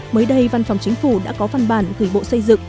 mới đây văn phòng chính phủ đã có văn bản gửi bộ xây dựng